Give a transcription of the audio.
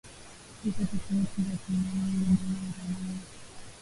licha ya tofauti za kimaoni baina ya raia wake